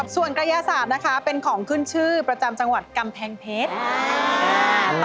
ส่วนกระยาศาสตร์นะคะเป็นของขึ้นชื่อประจำจังหวัดกำแพงเพชร